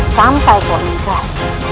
sampai kau meninggal